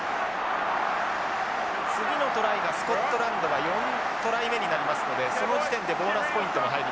次のトライがスコットランドは４トライ目になりますのでその時点でボーナスポイントも入ります。